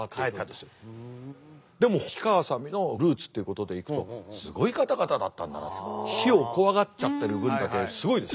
でも火川さんのルーツということでいくとすごい方々だったんだなと。火を怖がっちゃってる文化ですごいです。